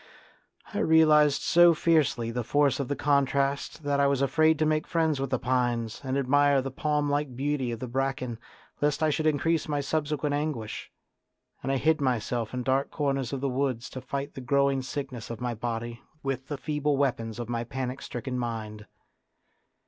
I realised so fiercely the force of the contrast that I was afraid to make friends with the pines and admire the palm like beauty of the bracken lest I should increase my subsequent anguish ; and I hid myself in dark corners of the woods to fight the growing sickness of my body with the feeble weapons of my panic stricken mind.